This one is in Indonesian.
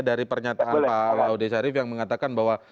dari pernyataan pak laudy sharif yang mengatakan bahwa